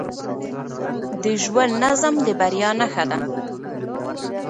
د ژوند نظم د بریا نښه ده.